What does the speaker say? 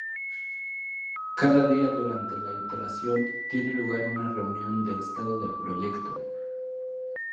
Cada día durante la iteración, tiene lugar una reunión de estado del proyecto.